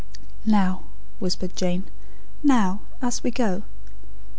"Now," whispered Jane. "Now, as we go."